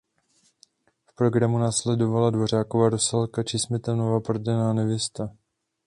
V programu následovala Dvořákova "Rusalka" či Smetanova "Prodaná nevěsta".